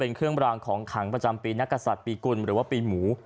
เป็นเครื่องรางของขังประจำปีนักศัตริย์ปีกุลหรือว่าปีหมู